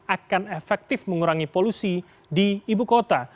akan efektif mengurangi polusi di ibu kota